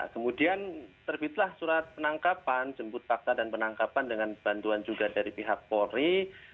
kemudian terbitlah surat penangkapan jemput fakta dan penangkapan dengan bantuan juga dari pihak polri